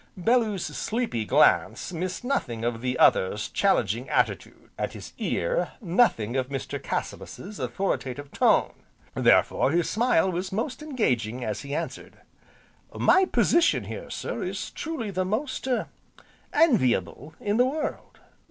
Bellew's sleepy glance missed nothing of the other's challenging attitude, and his ear, nothing of Mr. Cassilis's authoritative tone, therefore his smile was most engaging as he answered: "My position here, sir, is truly the most er enviable in the world.